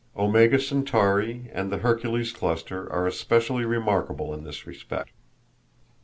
Omega Centauri and the Hercules cluster are especially remarkable in this respect.